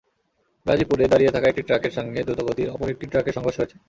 গাজীপুরে দাঁড়িয়ে থাকা একটি ট্রাকের সঙ্গে দ্রুতগতির অপর একটি ট্রাকের সংঘর্ষ হয়েছে।